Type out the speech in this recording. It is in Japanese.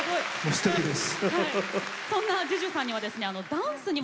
すてきです。